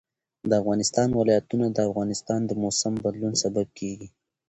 د افغانستان ولايتونه د افغانستان د موسم د بدلون سبب کېږي.